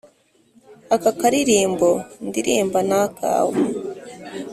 aka karirimbo ndirimba nakawe